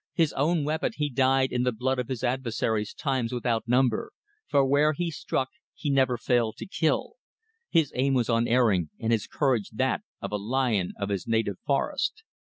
His own weapon he dyed in the blood of his adversaries times without number, for where he struck he never failed to kill. His aim was unerring, and his courage that of a lion of his native forest.